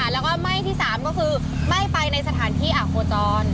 แล้วไหม้ที่๓ก็คือไม่ไปในสถานที่อ่ากโครจร